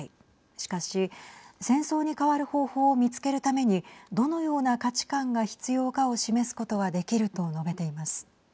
しかし、戦争に代わる方法を見つけるためにどのような価値観が必要かを示すことはできると述べています。